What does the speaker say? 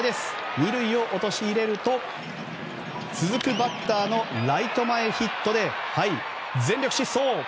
２塁を陥れると続くバッターのライト前ヒットで全力疾走！